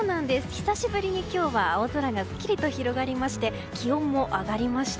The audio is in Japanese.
久しぶりに今日は青空がすっきりと広がりまして気温も上がりました。